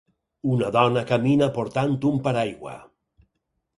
Una dona camina portant un paraigua.